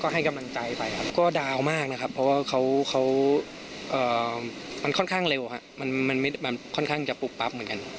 ก็ให้กำลังใจไปครับ